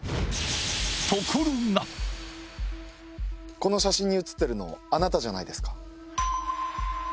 この写真に写ってるのあなたじゃないですか？